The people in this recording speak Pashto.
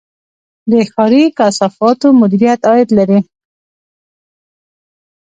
د ښاري کثافاتو مدیریت عاید لري